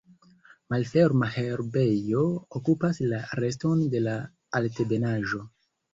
Malferma herbejo okupas la reston de la altebenaĵo.